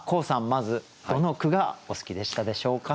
まずどの句がお好きでしたでしょうか？